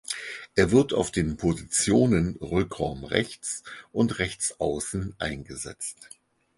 Er wird auf den Positionen Rückraum rechts und Rechtsaußen eingesetzt.